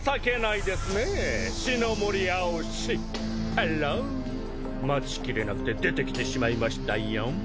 ハロ待ちきれなくて出てきてしまいましたよ。